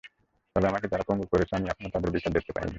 তবে আমাকে যারা পঙ্গু করেছে, আমি এখনো তাদের বিচার দেখতে পাইনি।